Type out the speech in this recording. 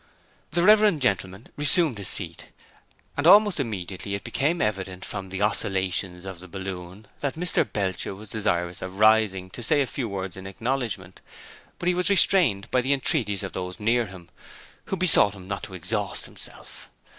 The reverend gentleman resumed his seat, and almost immediately it became evident from the oscillations of the balloon that Mr Belcher was desirous of rising to say a Few Words in acknowledgement, but he was restrained by the entreaties of those near him, who besought him not to exhaust himself.